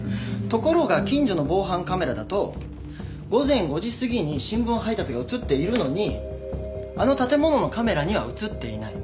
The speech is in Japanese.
ところが近所の防犯カメラだと午前５時過ぎに新聞配達が映っているのにあの建物のカメラには映っていない。